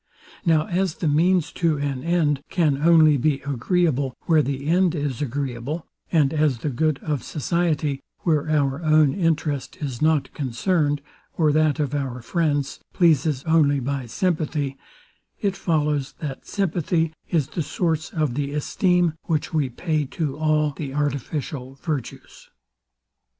Now as the means to an end can only be agreeable, where the end is agreeable; and as the good of society, where our own interest is not concerned, or that of our friends, pleases only by sympathy: It follows, that sympathy is the source of the esteem, which we pay to all the artificial virtues.